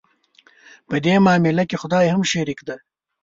په دې معامله کې خدای هم شریک دی.